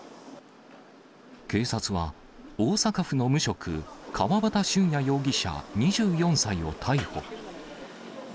警察は、大阪府の無職、川端舜也容疑者２４歳を逮捕。